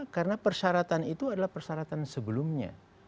karena persyaratan itu adalah persyaratan sebelumnya